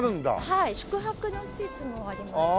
はい宿泊の施設もありますね。